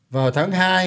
vào tháng hai